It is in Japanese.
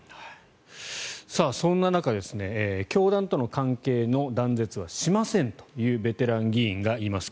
そんな中教団との関係の断絶はしませんというベテラン議員がいます。